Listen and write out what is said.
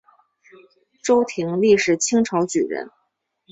周廷励是清朝举人。